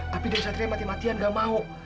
tapi den satria mati matian gak mau